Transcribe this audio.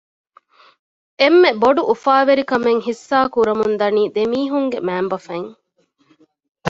އެންމެ ބޮޑު އުފާވެރިކަމެއް ހިއްސާކުރަމުން ދަނީ ދެމީހުންގެ މައިންބަފައިން